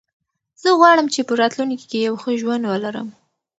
زه غواړم چې په راتلونکي کې یو ښه ژوند ولرم.